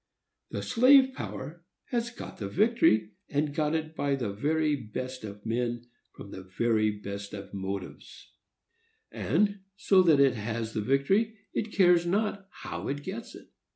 The slave power has got the victory, and got it by the very best of men from the very best of motives; and, so that it has the victory, it cares not how it gets it.